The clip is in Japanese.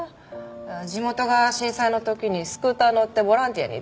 地元が震災の時にスクーターに乗ってボランティアに行ってさ。